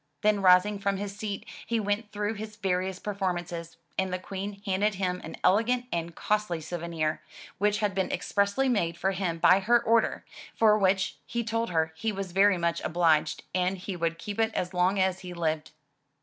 Then rising from his seat, he went through his various performances, and the Queen handed him an elegant and costly souvenir, which had been expressly made for him by her order, for which he told her he was very much obliged and he would keep it as long as he lived.